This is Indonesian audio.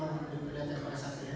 orang orang lihat yang ada saksi